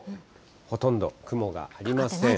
ほとんど雲がありません。